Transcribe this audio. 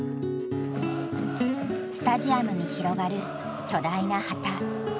スタジアムに広がる巨大な旗。